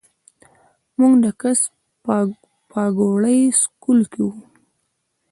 مونږ د کس پاګوړۍ سکول کښې وو